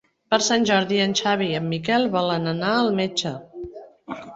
Per Sant Jordi en Xavi i en Miquel volen anar al metge.